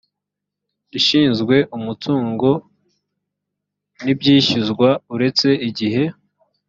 ishinzwe umutungo n ibyishyuzwa uretse igihe